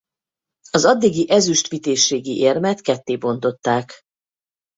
Az addigi Ezüst Vitézségi Érmet ketté bontották.